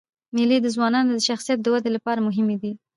مېلې د ځوانانو د شخصیت د ودي له پاره مهمي دي.